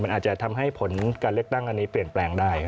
อาจจะทำให้ผลการเลือกตั้งอันนี้เปลี่ยนแปลงได้